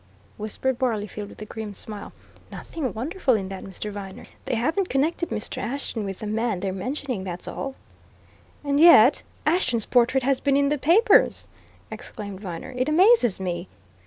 whispered Barleyfield, with a grim smile. "Nothing wonderful in that, Mr. Viner. They haven't connected Mr. Ashton with the man they're mentioning that's all." "And yet Ashton's portrait has been in the papers!" exclaimed Viner. "It amazes me!"